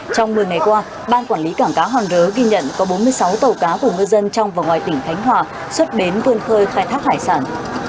trong một mươi ngày qua ban quản lý cảng cá hòn rớ ghi nhận có bốn mươi sáu tàu cá của ngư dân trong và ngoài tỉnh khánh hòa xuất bến vươn khơi khai thác hải sản